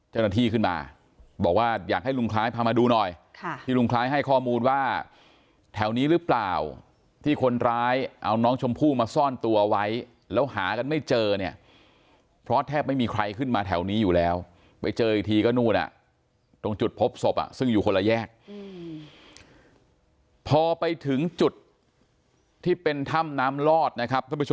เจ้าหน้าที่ขึ้นมาบอกว่าอยากให้ลุงคล้ายพามาดูหน่อยที่ลุงคล้ายให้ข้อมูลว่าแถวนี้หรือเปล่าที่คนร้ายเอาน้องชมพู่มาซ่อนตัวไว้แล้วหากันไม่เจอเนี่ยเพราะแทบไม่มีใครขึ้นมาแถวนี้อยู่แล้วไปเจออีกทีก็นู่นอ่ะตรงจุดพบศพซึ่งอยู่คนละแยกพอไปถึงจุดที่เป็นถ้ำน้ำลอดนะครับท่านผู้ชม